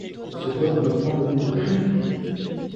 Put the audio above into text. Ce dogme prend le nom de Trinité.